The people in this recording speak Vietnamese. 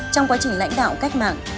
trong quá trình lãnh đạo cách mạng